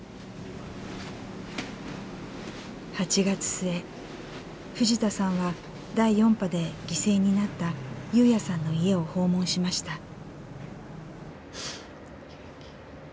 ８月末藤田さんは第４波で犠牲になった優也さんの家を訪問しました。